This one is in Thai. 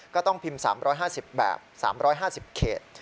ก็ต้องพิมพ์๓๕๐แบบ๓๕๐เขต